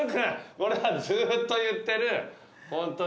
これはずっと言ってるホントに。